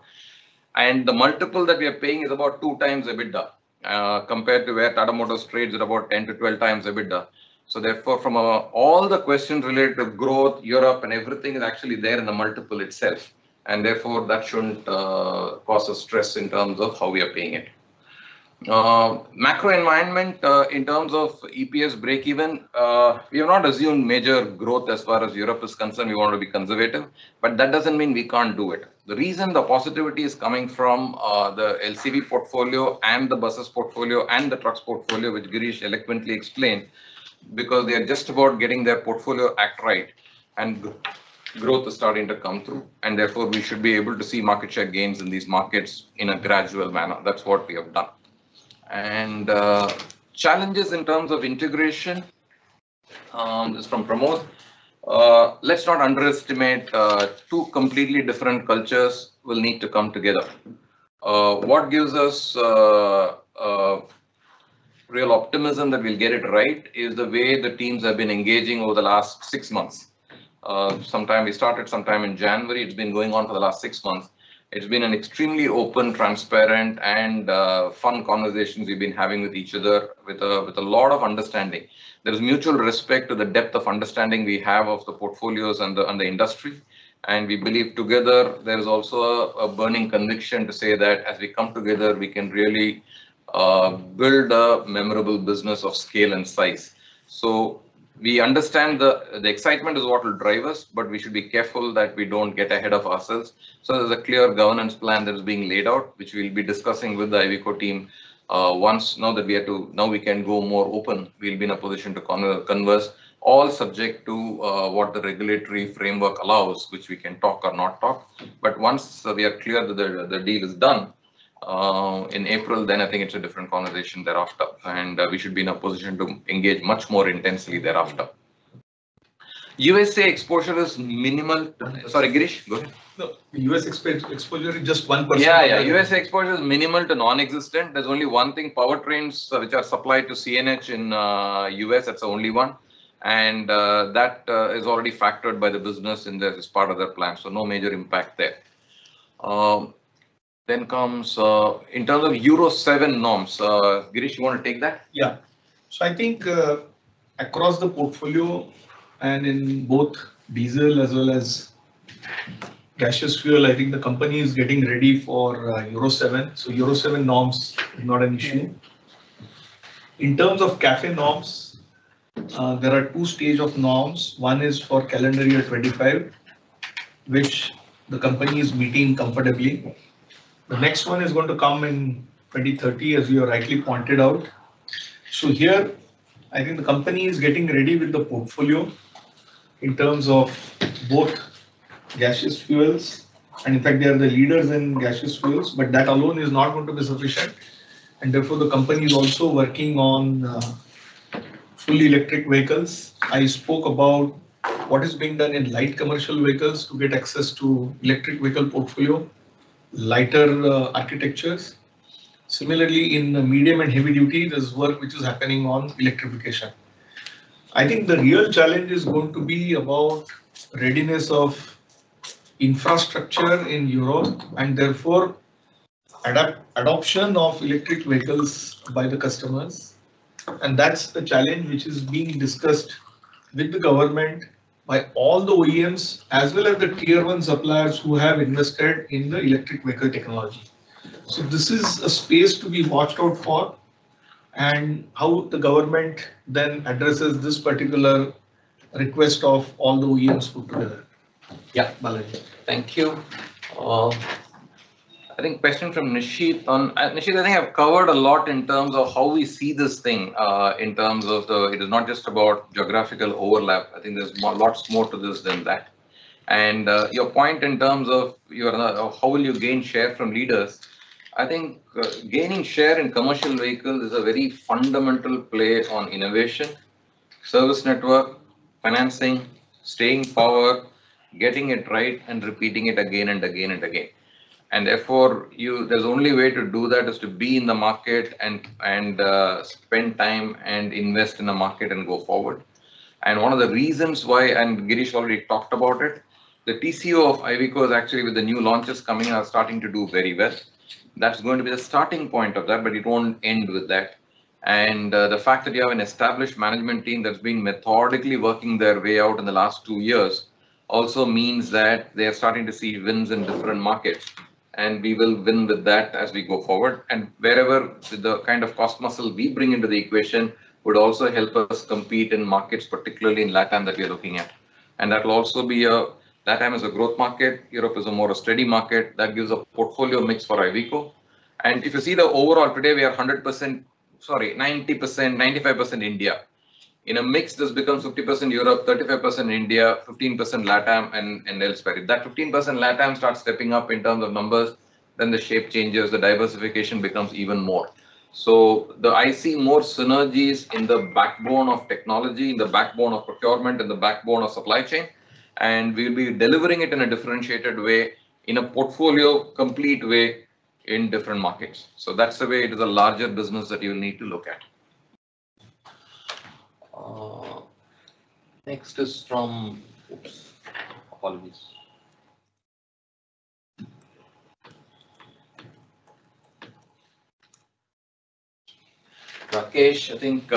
And the multiple that we are paying is about 2x EBITDA, compared to where Tata Motors trades at about 10-12x EBITDA. So therefore, from all the questions related to growth, Europe, and everything is actually there in the multiple itself, and therefore that shouldn't cause us stress in terms of how we are paying it. Macro environment, in terms of EPS breakeven, we have not assumed major growth as far as Europe is concerned. We want to be conservative, but that doesn't mean we can't do it. The reason the positivity is coming from the LCV portfolio and the buses portfolio and the trucks portfolio, which Girish eloquently explained, because they are just about getting their portfolio act right, and growth is starting to come through, and therefore, we should be able to see market share gains in these markets in a gradual manner. That's what we have done. Challenges in terms of integration is from Pramod. Let's not underestimate, two completely different cultures will need to come together. What gives us real optimism that we'll get it right is the way the teams have been engaging over the last six months. Some time, we started some time in January. It's been going on for the last six months. It's been an extremely open, transparent, and fun conversation we've been having with each other, with a lot of understanding. There is mutual respect to the depth of understanding we have of the portfolios and the industry. And we believe together, there is also a burning conviction to say that as we come together, we can really build a memorable business of scale and size. So we understand the excitement is what will drive us, but we should be careful that we don't get ahead of ourselves. So there's a clear governance plan that is being laid out, which we'll be discussing with the Iveco team. Once now that we are to... Now we can go more open, we'll be in a position to converse, all subject to what the regulatory framework allows, which we can talk or not talk. But once we are clear that the deal is done in April, then I think it's a different conversation thereafter, and we should be in a position to engage much more intensely thereafter. U.S.A. exposure is minimal. Sorry, Girish, go ahead. No, U.S. exposure is just 1%. Yeah, yeah. U.S. exposure is minimal to nonexistent. There's only one thing, powertrains, which are supplied to CNH in, U.S., that's the only one. That is already factored by the business, and that is part of their plan, so no major impact there.... Then comes, in terms of Euro Seven norms, Girish, you want to take that? Yeah. So I think, across the portfolio and in both diesel as well as gaseous fuel, I think the company is getting ready for Euro 7. So Euro 7 norms is not an issue. In terms of CAFE norms, there are two stages of norms. One is for calendar year 2025, which the company is meeting comfortably. The next one is going to come in 2030, as you rightly pointed out. So here, I think the company is getting ready with the portfolio in terms of both gaseous fuels, and in fact, they are the leaders in gaseous fuels, but that alone is not going to be sufficient. And therefore, the company is also working on fully electric vehicles. I spoke about what is being done in light commercial vehicles to get access to electric vehicle portfolio, lighter architectures. Similarly, in the medium and heavy duty, there's work which is happening on electrification. I think the real challenge is going to be about readiness of infrastructure in Europe and therefore, adoption of electric vehicles by the customers. And that's the challenge which is being discussed with the government by all the OEMs, as well as the Tier One suppliers who have invested in the electric vehicle technology. So this is a space to be watched out for, and how the government then addresses this particular request of all the OEMs put together. Yeah, thank you. I think question from Nishit on... Nishit, I think I've covered a lot in terms of how we see this thing, in terms of the - it is not just about geographical overlap. I think there's more, lots more to this than that. And, your point in terms of your, how will you gain share from leaders? I think, gaining share in commercial vehicle is a very fundamental play on innovation, service network, financing, staying power, getting it right, and repeating it again and again and again. And therefore, you... There's only way to do that is to be in the market and, spend time and invest in the market and go forward. One of the reasons why, and Girish already talked about it, the TCO of Iveco is actually with the new launches coming out, starting to do very well. That's going to be the starting point of that, but it won't end with that. The fact that you have an established management team that's been methodically working their way out in the last two years also means that they are starting to see wins in different markets, and we will win with that as we go forward. Wherever the kind of cost muscle we bring into the equation would also help us compete in markets, particularly in LATAM, that we are looking at. That will also be a LATAM is a growth market. Europe is a more steady market. That gives a portfolio mix for Iveco. And if you see the overall, today we are 100%, sorry, 90%, 95% India. In a mix, this becomes 50% Europe, 35% India, 15% LATAM, and, and elsewhere. If that 15% LATAM starts stepping up in terms of numbers, then the shape changes, the diversification becomes even more. So the, I see more synergies in the backbone of technology, in the backbone of procurement, in the backbone of supply chain, and we'll be delivering it in a differentiated way, in a portfolio-complete way in different markets. So that's the way it is a larger business that you need to look at. Next is from... Oops! Apologies. Rakesh, I think,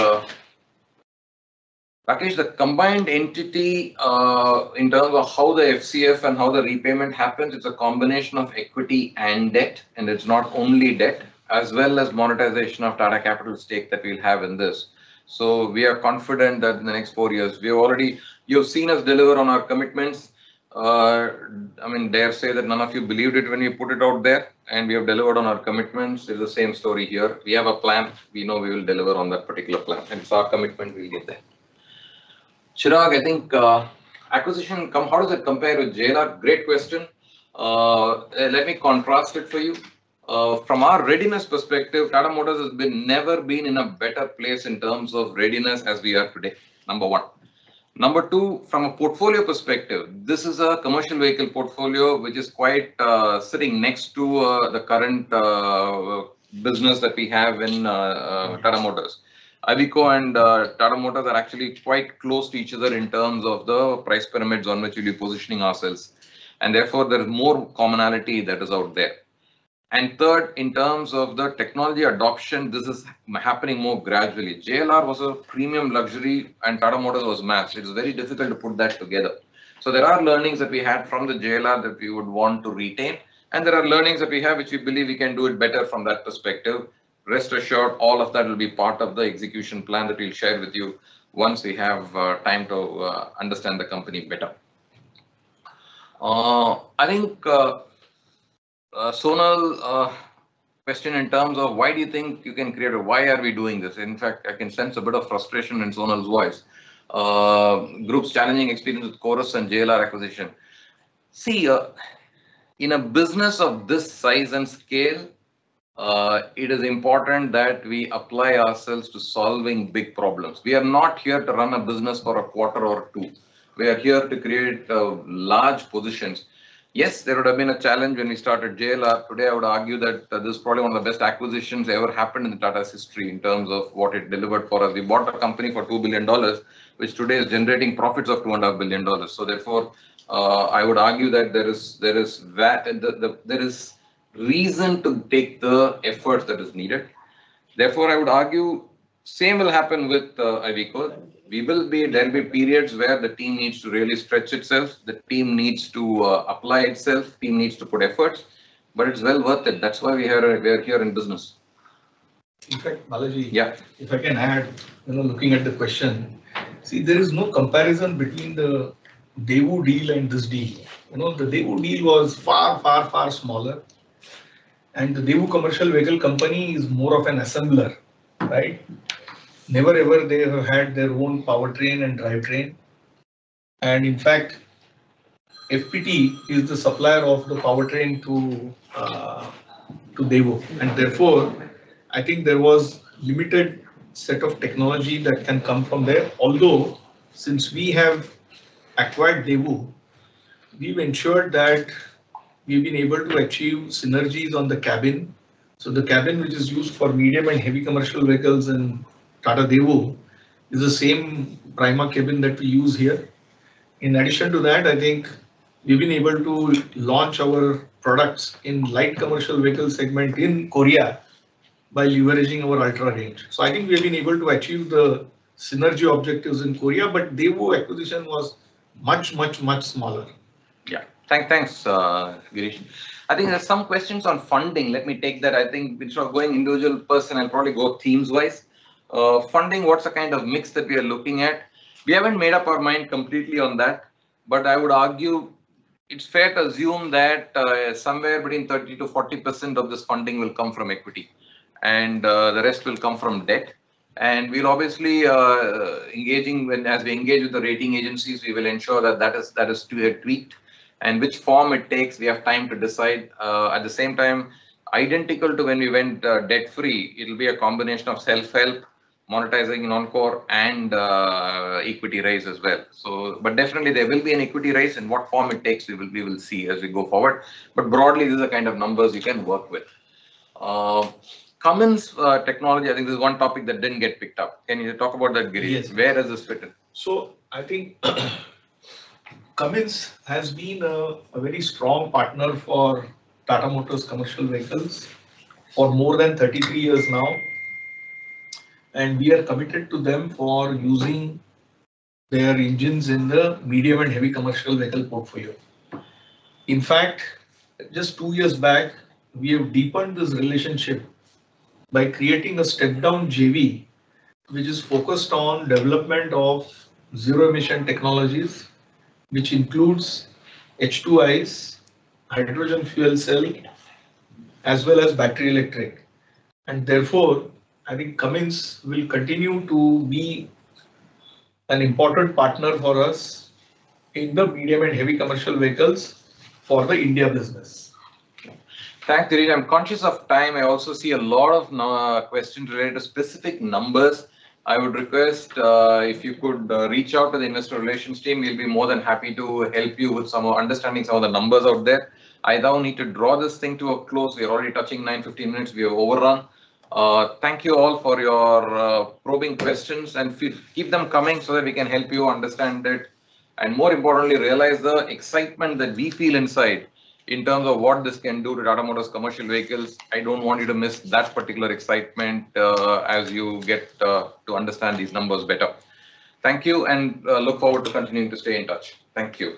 Rakesh, the combined entity, in terms of how the FCF and how the repayment happens, it's a combination of equity and debt, and it's not only debt, as well as monetization of Tata Capital stake that we'll have in this. So we are confident that in the next four years, we have already—you've seen us deliver on our commitments. I mean, dare say that none of you believed it when you put it out there, and we have delivered on our commitments. It's the same story here. We have a plan. We know we will deliver on that particular plan, and it's our commitment we'll get there. Chirag, I think, acquisition—how does it compare with JLR? Great question. Let me contrast it for you. From our readiness perspective, Tata Motors has been, never been in a better place in terms of readiness as we are today, number one. Number two, from a portfolio perspective, this is a commercial vehicle portfolio, which is quite, sitting next to, the current, business that we have in, Tata Motors. Iveco and, Tata Motors are actually quite close to each other in terms of the price pyramids on which we'll be positioning ourselves, and therefore, there is more commonality that is out there. And third, in terms of the technology adoption, this is happening more gradually. JLR was a premium luxury and Tata Motors was mass. It's very difficult to put that together. So there are learnings that we had from the JLR that we would want to retain, and there are learnings that we have, which we believe we can do it better from that perspective. Rest assured, all of that will be part of the execution plan that we'll share with you once we have time to understand the company better. I think, Sonal, question in terms of: Why do you think you can create a... Why are we doing this? In fact, I can sense a bit of frustration in Sonal's voice. Group's challenging experience with Corus and JLR acquisition. See, in a business of this size and scale, it is important that we apply ourselves to solving big problems. We are not here to run a business for a quarter or two. We are here to create large positions. Yes, there would have been a challenge when we started JLR. Today, I would argue that that is probably one of the best acquisitions that ever happened in the Tata's history in terms of what it delivered for us. We bought a company for $2 billion, which today is generating profits of $2.5 billion. So therefore, I would argue that there is reason to take the effort that is needed. Therefore, I would argue same will happen with Iveco. There will be periods where the team needs to really stretch itself, the team needs to apply itself, team needs to put efforts, but it's well worth it. That's why we are here in business. In fact, Balaji- Yeah. If I can add, you know, looking at the question, see, there is no comparison between the Daewoo deal and this deal. You know, the Daewoo deal was far, far, far smaller, and the Tata Daewoo Commercial Vehicle Company is more of an assembler, right? Never, ever they have had their own powertrain and drivetrain. And in fact, FPT is the supplier of the powertrain to, to Daewoo, and therefore, I think there was limited set of technology that can come from there. Although, since we have acquired Daewoo, we've ensured that we've been able to achieve synergies on the cabin. So the cabin, which is used for medium and heavy commercial vehicles in Tata Daewoo, is the same Prima cabin that we use here. In addition to that, I think we've been able to launch our products in light commercial vehicle segment in Korea by leveraging our Ultra range. I think we've been able to achieve the synergy objectives in Korea, but Daewoo acquisition was much, much, much smaller. Yeah. Thanks, thanks, Girish. I think there are some questions on funding. Let me take that. I think instead of going individual person, I'll probably go teams wise. Funding, what's the kind of mix that we are looking at? We haven't made up our mind completely on that, but I would argue it's fair to assume that somewhere between 30%-40% of this funding will come from equity, and the rest will come from debt. We'll obviously engaging when... as we engage with the rating agencies, we will ensure that that is, that is to be tweaked. Which form it takes, we have time to decide. At the same time, identical to when we went debt-free, it'll be a combination of self-help, monetizing non-core, and equity raise as well. But definitely there will be an equity raise. In what form it takes, we will, we will see as we go forward. But broadly, these are the kind of numbers you can work with. Cummins technology, I think this is one topic that didn't get picked up. Can you talk about that, Girish? Yes. Where is this fitted? So I think Cummins has been a very strong partner for Tata Motors Commercial Vehicles for more than 33 years now, and we are committed to them for using their engines in the medium and heavy commercial vehicle portfolio. In fact, just two years back, we have deepened this relationship by creating a step-down JV, which is focused on development of zero-emission technologies, which includes H2ICE, hydrogen fuel cell, as well as battery electric. And therefore, I think Cummins will continue to be an important partner for us in the medium and heavy commercial vehicles for the India business. Thank you, Girish. I'm conscious of time. I also see a lot of questions related to specific numbers. I would request, if you could, reach out to the investor relations team, we'll be more than happy to help you with some more understanding some of the numbers out there. I now need to draw this thing to a close. We are already touching 9:15. We have overrun. Thank you all for your probing questions, and keep them coming so that we can help you understand it, and more importantly, realize the excitement that we feel inside in terms of what this can do to Tata Motors commercial vehicles. I don't want you to miss that particular excitement, as you get, to understand these numbers better. Thank you, and look forward to continuing to stay in touch. Thank you.